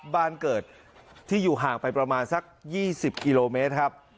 บ้านเกิดที่อยู่ห่างไปประมาณสัก๒๐กิโลเมตรครับ